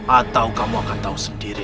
atau kamu akan tahu sendiri